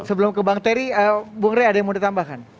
sebelum ke bang terry bung rey ada yang mau ditambahkan